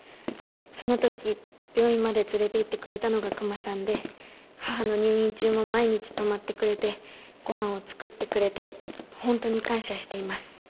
その時病院まで連れていってくれたのがクマさんで母の入院中も毎日泊まってくれてごはんを作ってくれて本当に感謝しています。